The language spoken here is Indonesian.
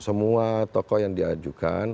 semua tokoh yang diajukan